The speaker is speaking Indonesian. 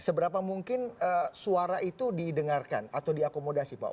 seberapa mungkin suara itu didengarkan atau diakomodasi pak